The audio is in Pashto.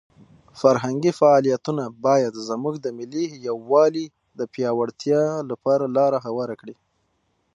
فرهنګي فعالیتونه باید زموږ د ملي یووالي د پیاوړتیا لپاره لاره هواره کړي.